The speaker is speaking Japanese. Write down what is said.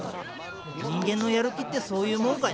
人間のやる気ってそういうもんかい」。